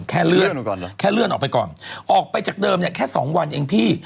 เลื่อนแค่เลื่อนออกไปก่อนออกไปจากเดิมเนี่ยแค่สองวันเองพี่